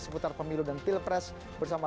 seputar pemilu dan pilpres bersama